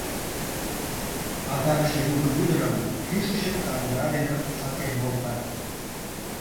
Адакше Юмын ӱдырым кӱшычын кандыра дене сакен волтат.